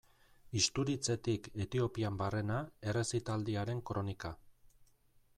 Isturitzetik Etiopian barrena errezitaldiaren kronika.